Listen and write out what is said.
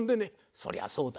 そりゃそうだ。